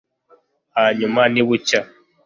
hanyuma nibucya